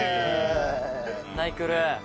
ナイクル！